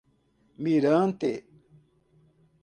Mirante